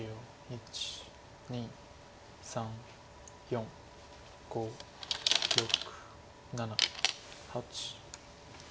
１２３４５６７８。